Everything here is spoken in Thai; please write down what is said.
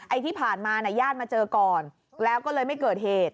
ที่ผ่านมาน่ะญาติมาเจอก่อนแล้วก็เลยไม่เกิดเหตุ